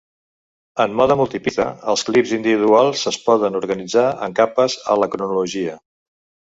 En mode multipista, els clips individuals es poden organitzar en capes a la cronologia.